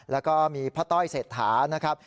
แล้วก็มีพ่อต้อยเศรษฐานะครับ